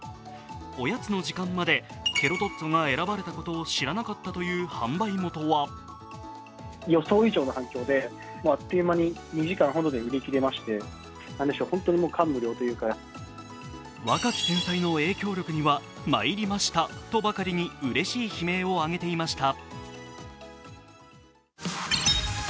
おやつの時間まで、ケロトッツォが選ばれたことを知らなかったという販売元は若き天才の影響力には、まいりましたとばかりにうれしい悲鳴を上げていました。